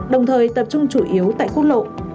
đồng thời tập trung chủ yếu tại quốc lộ